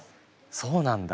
そうなんだ。